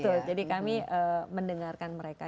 betul jadi kami mendengarkan mereka